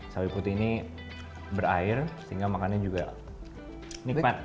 sawi putih ini berair sehingga makannya juga nikmat